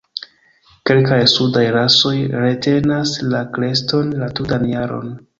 Kelkaj sudaj rasoj retenas la kreston la tutan jaron.